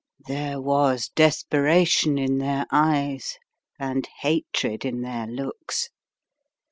There was desperation in their eyes and hatred in their looks.